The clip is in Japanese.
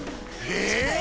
え！